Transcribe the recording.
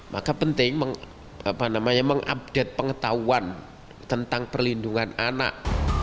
maka penting mengupdate pengetahuan tentang perlindungan anak